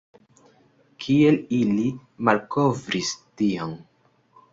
Kiel ili malkovris tion?